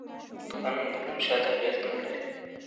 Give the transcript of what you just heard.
د قانون بدلون شاته اغېز نه لري.